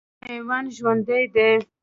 حیوان ژوندی دی.